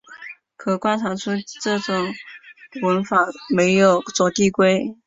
可观察出这种文法没有左递归。